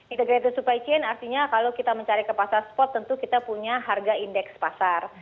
integrated supply chain artinya kalau kita mencari ke pasar spot tentu kita punya harga indeks pasar